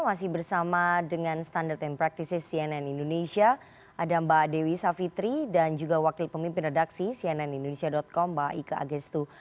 masih bersama dengan standar tim practices cnn indonesia ada mbak dewi savitri dan juga wakil pemimpin redaksi cnn indonesia com mbak ika agestu